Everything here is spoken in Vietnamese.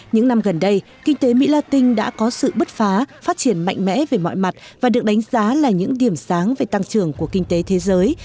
những năm gần đây kinh tế mỹ la tinh đã có sự bứt phá phát triển mạnh mẽ về mọi mặt và được đánh giá là những điểm sáng về tăng trưởng của kinh tế thế giới